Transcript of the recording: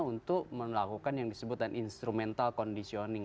untuk melakukan yang disebutkan instrumental conditioning